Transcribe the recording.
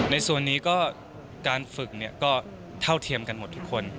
ในส่วนนี้ก็การฝึกก็เท่าเทียมกันหมดทุกคน